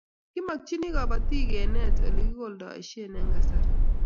kimakchini kabatik kenet ole kikoldoishe eng' kasari